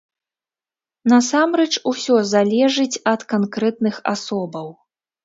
Насамрэч, усё залежыць ад канкрэтных асобаў.